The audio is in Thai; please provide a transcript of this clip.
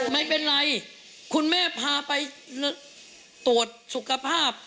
ไม่เป็นไรคุณแม่พาไปตรวจสุขภาพ